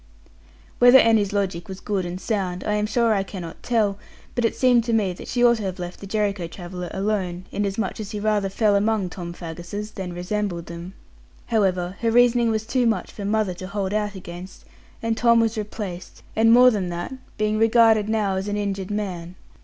Whether Annie's logic was good and sound, I am sure I cannot tell; but it seemed to me that she ought to have let the Jericho traveller alone, inasmuch as he rather fell among Tom Fagusses, than resembled them. However, her reasoning was too much for mother to hold out against; and Tom was replaced, and more than that, being regarded now as an injured man.